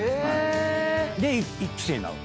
で１期生になる？